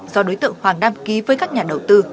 do đối tượng hoàng đam ký với các nhà đầu tư